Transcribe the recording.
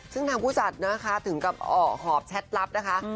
ซึ่งทางผู้จัดนะคะถึงกับหอบแชทลับนะคะ